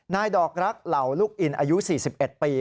ดอกรักเหล่าลูกอินอายุ๔๑ปี